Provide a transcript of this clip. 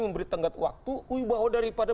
memberi tenggat waktu wibawa daripada